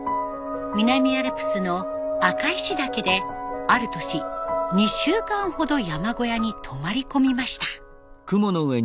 南アルプスの赤石岳である年２週間ほど山小屋に泊まり込みました。